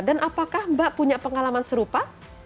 dan apakah mbak punya pengalaman serupa